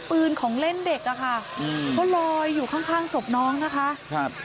ปืนของเล่นเด็กอ่ะค่ะอืมก็ลอยอยู่ข้างข้างศพน้องนะคะครับ